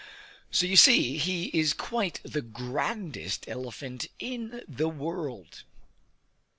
So you see, he is quite the grandest elephant in the world.